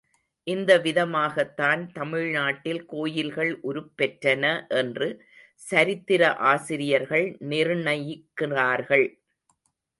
இந்த விதமாகத்தான் தமிழ்நாட்டில் கோயில்கள் உருப்பெற்றன என்று சரித்திர ஆசிரியர்கள் நிர்ணயிக்கிறார்கள்.